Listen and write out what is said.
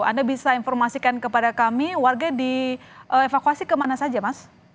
anda bisa informasikan kepada kami warga dievakuasi ke mana